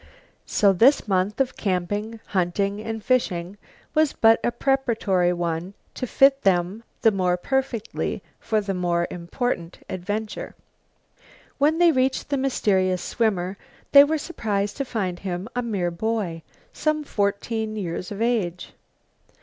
So this month of camping, hunting and fishing was but a preparatory one to fit them the more perfectly for the more important adventure. When they reached the mysterious swimmer they were surprised to find him a mere boy, some fourteen years of age.